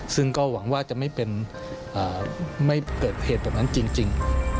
ซึ่งก็หวังว่าจะไม่เกิดเหตุแบบนั้นจริง